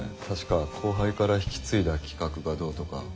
確か後輩から引き継いだ企画がどうとか。